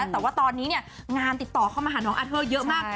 แต่ว่าตอนนี้งานติดต่อเข้ามาหาน้องอาเทอร์เยอะมาก